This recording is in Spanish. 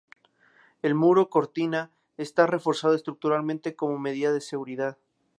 El muro cortina está reforzado estructuralmente como medida de seguridad.